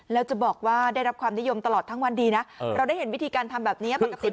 แล้วจะบอกว่าได้รับความนิยมตลอดทั้งวันดีนะเราได้เห็นวิธีการทำแบบนี้ปกติ